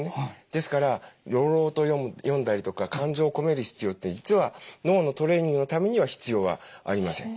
ですから朗々と読んだりとか感情を込める必要って実は脳のトレーニングのためには必要はありません。